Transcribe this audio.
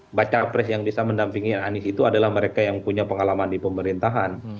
baca pres yang bisa mendampingi anies itu adalah mereka yang punya pengalaman di pemerintahan